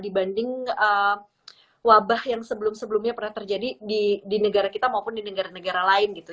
dibanding wabah yang sebelum sebelumnya pernah terjadi di negara kita maupun di negara negara lain gitu